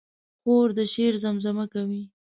خور د شعر زمزمه کوي.